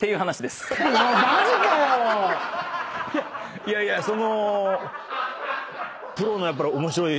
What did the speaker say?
いやいやその。